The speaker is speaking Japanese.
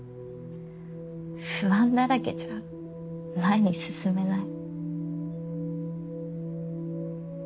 不安だらけじゃ前に進めない。